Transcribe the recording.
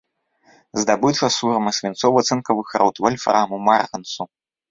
Здабыча сурмы, свінцова-цынкавых руд, вальфраму, марганцу.